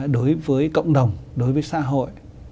đối với cộng đồng đối với xã hội